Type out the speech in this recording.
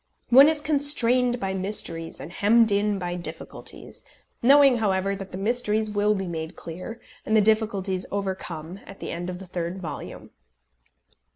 One is constrained by mysteries and hemmed in by difficulties, knowing, however, that the mysteries will be made clear, and the difficulties overcome at the end of the third volume.